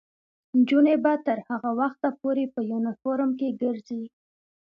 نجونې به تر هغه وخته پورې په یونیفورم کې ګرځي.